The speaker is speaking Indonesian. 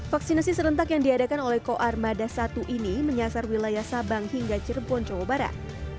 vaksinasi serentak yang diadakan oleh koarmada satu ini menyasar wilayah sabang hingga cirebon jawa barat